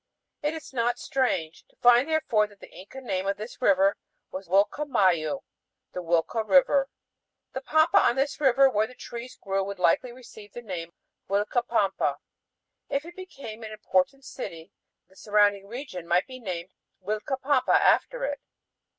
It is not strange to find therefore that the Inca name of this river was Uilca mayu: the "huilca river." The pampa on this river where the trees grew would likely receive the name Uilca pampa. If it became an important city, then the surrounding region might be named Uilcapampa after it.